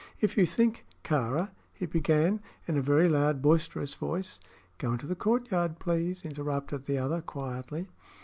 "If you think, Kāra " he began, in a very loud, boisterous voice. "Go into the courtyard, please," interrupted the other, quietly.